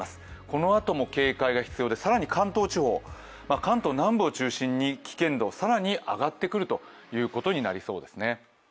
このあとも警戒が必要で、更に関東地方、関東南部を中心に危険度、更に上がってくるということになりそうです。